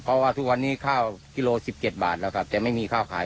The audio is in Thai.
เพราะว่าทุกวันนี้ข้าวกิโล๑๗บาทแล้วครับแต่ไม่มีข้าวขาย